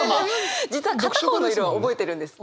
実は片方の色は覚えてるんです。